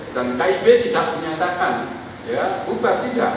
dan kib tidak menyatakan ya buka tidak